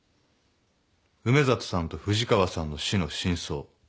梅里さんと藤川さんの死の真相